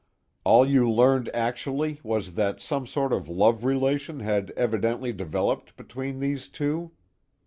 "All you learned, actually, was that some sort of love relation had evidently developed between these two?"